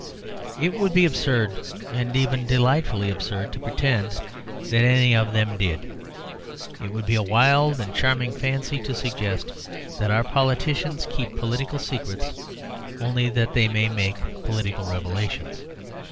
It would be absurd, and even delightfully absurd, to pretend that any of them did. It would be a wild and charming fancy to suggest that our politicians keep political secrets only that they may make political revelations.